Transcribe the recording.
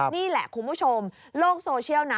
นี่แหละคุณผู้ชมโลกโซเชียลนะ